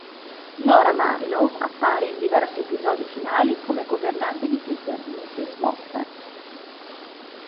Nora Marlowe appare in diversi episodi finali come governante di Peter, Mrs. Moffat.